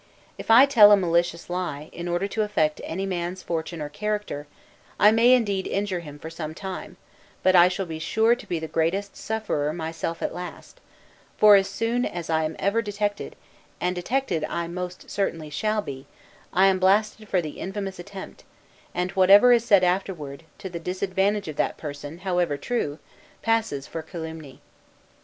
If I tell a malicious lie, in order to affect any man's fortune or character, I may indeed injure him for some time; but I shall be sure to be the greatest sufferer myself at last; for as soon as ever I am detected (and detected I most certainly shall be), I am blasted for the infamous attempt; and whatever is said afterward, to the disadvantage of that person, however true, passes for calumny.